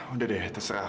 udah deh terserah